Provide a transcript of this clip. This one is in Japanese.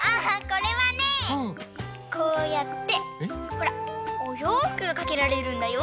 ほらおようふくがかけられるんだよ。